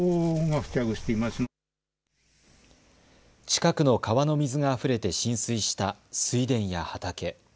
近くの川の水があふれて浸水した水田や畑。